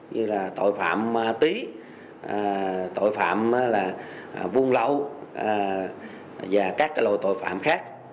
như là tội phạm tí tội phạm vuông lậu và các loại tội phạm khác